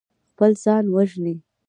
خپل ځان وژني.